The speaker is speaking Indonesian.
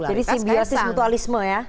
jadi simbiosis mutualisme ya